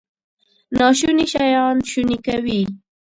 ناشوني شیان شوني کوي.